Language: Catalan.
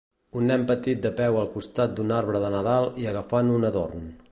Un nen petit de peu al costat d"un arbre de Nadal i agafant un adorn.